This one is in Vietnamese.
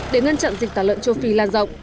để ngăn chặn dịch tả lợn châu phi lan rộng